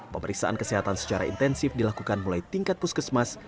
pemeriksaan kesehatan secara intensif dilakukan mulai tingkat puskesmas